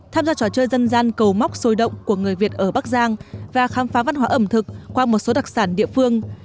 tham gia trò chơi dân gian cầu móc sôi động của người việt ở bắc giang và khám phá văn hóa ẩm thực qua một số đặc sản địa phương